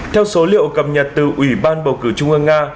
theo số liệu cập nhật từ ủy ban bầu cử trung ương nga